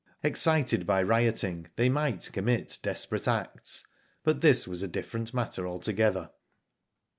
Excited by rioting, they might commit desperate acts, but this ,was a different matter altogether.